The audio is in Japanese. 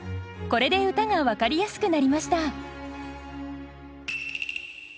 これで歌が分かりやすくなりました。